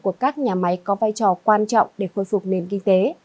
của các nhà máy có vai trò quan trọng để khôi phục nền kinh tế